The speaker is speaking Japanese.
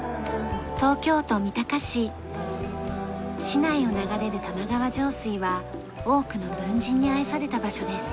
市内を流れる玉川上水は多くの文人に愛された場所です。